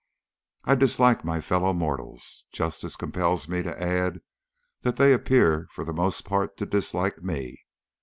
I dislike my fellow mortals. Justice compels me to add that they appear for the most part to dislike me.